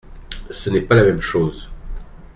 Ce n’est pas la même chose…